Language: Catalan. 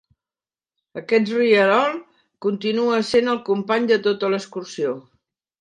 Aquest rierol continua sent el company de tota l'excursió.